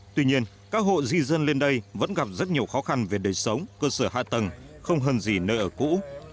tuy nhiên các hộ di dân lên đây vẫn gặp rất nhiều khó khăn về đời sống cơ sở hạ tầng không hơn gì nơi ở cũ